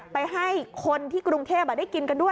ไปให้คนที่กรุงเทพได้กินกันด้วย